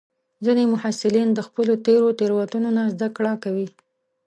ځینې محصلین د خپلو تېرو تېروتنو نه زده کړه کوي.